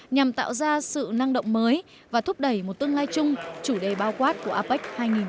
nhằm tạo ra sự năng động mới và thúc đẩy một tương lai chung chủ đề bao quát của apec hai nghìn hai mươi